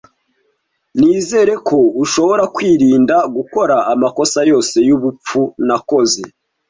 Nizere ko ushobora kwirinda gukora amakosa yose yubupfu nakoze.